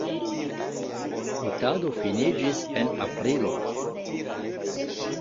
Fotado finiĝis en aprilo.